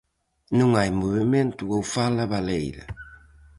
Non hai movemento ou fala baleira.